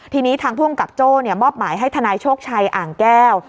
ทีนี้ทางภูมิกับโจ้มอบหมายให้ทนายโชคชัยอ่างแก้ว